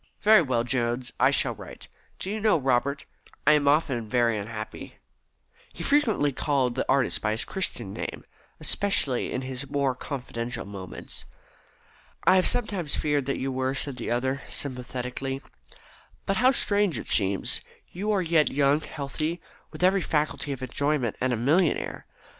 Very well, Jones. I shall write. Do you know, Robert, I am often very unhappy." He frequently called the young artist by his Christian name, especially in his more confidential moments. "I have sometimes feared that you were," said the other sympathetically. "But how strange it seems, you who are yet young, healthy, with every faculty for enjoyment, and a millionaire."